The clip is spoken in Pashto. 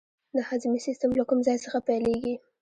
د هاضمې سیستم له کوم ځای څخه پیلیږي